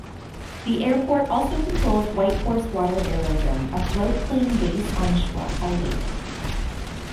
The airport also controls Whitehorse Water Aerodrome, a float plane base on Schwatka Lake.